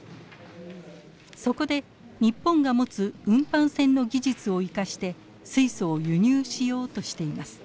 そこで日本が持つ運搬船の技術を生かして水素を輸入しようとしています。